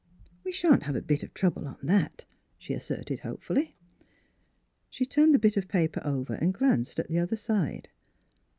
" We shan't have a bit of trouble on that," she asserted hopefully. She turned the bit of paper over and glanced at the other side.